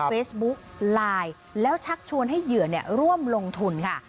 เฟซบุ๊กไลน์แล้วชักชวนให้เหยื่อร่วมลงทุนค่ะ